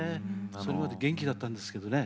それまで元気だったんですけどね。